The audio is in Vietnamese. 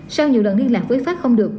sau nhiều lần liên lạc với pháp không được